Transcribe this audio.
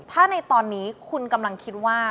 ถ้าในตอนนี้คุณกำลังคิดว่า